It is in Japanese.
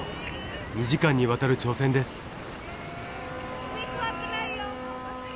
２時間にわたる挑戦です。